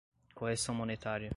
correção monetária